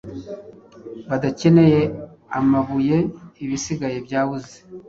badakeneye amabuyeIbisigaye byabuze